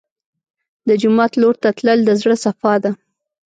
د جومات لور ته تلل د زړه صفا ده.